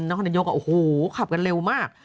น้องคนนโดยยกว่าโอ้โหขับกันเร็วมาก